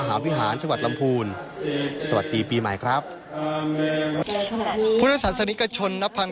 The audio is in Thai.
และสำนักงานวัฒนธรรม